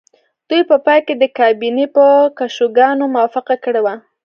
دوی په پای کې د کابینې په کشوګانو موافقه کړې وه